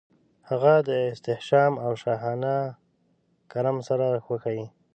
هغه د احتشام او شاهانه کرم سره وښايي.